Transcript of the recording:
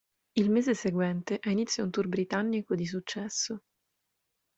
Il mese seguente, ha inizio un tour britannico di successo.